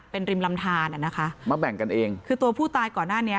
เป็นริมลำทานอ่ะนะคะมาแบ่งกันเองคือตัวผู้ตายก่อนหน้านี้